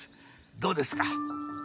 どうですか？